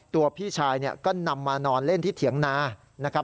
ตัวพี่ชายก็นำมานอนเล่นที่เถียงนา